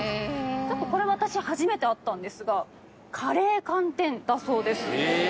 ちょっとこれ私初めて会ったんですがカレー寒天だそうです。